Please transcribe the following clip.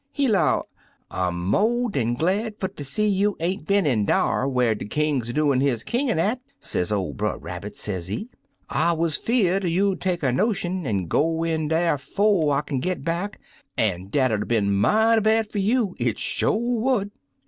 He 'low, 'I'm mo' dan glad fer ter see you ain't been in dar whar de King 's doin' his kingin' at,' sez ol' Brer Rabbit, sezee. *I wuz fear'd you'd take a notion an' go in dar 'fo' I kin git back, an' dat 'ud 'a' been mighty bad fer you — it sho' would.'